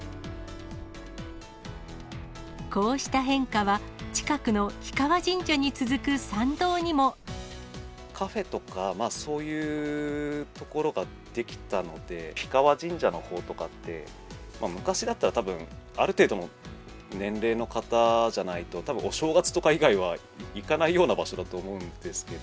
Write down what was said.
こうした変化は、カフェとか、そういうところが出来たので、氷川神社のほうとかって、昔だったらたぶん、ある程度の年齢の方じゃないと、たぶんお正月とか以外は行かないような場所だと思うんですけど。